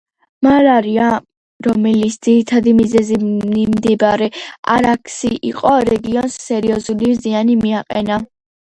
მალარიამ, რომელის ძირითადი მიზეზი მიმდებარე არაქსი იყო, რეგიონს სერიოზული ზიანი მიაყენა.